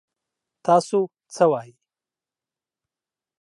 تاسو څه وايي ؟